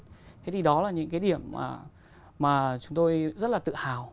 thế thì đó là những cái điểm mà chúng tôi rất là tự hào